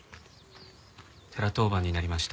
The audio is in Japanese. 寺当番になりました。